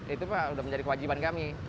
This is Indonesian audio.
itu pak sudah menjadi kewajiban kami